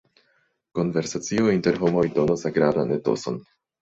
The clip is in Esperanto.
Konversacio inter homoj donos agrablan etoson.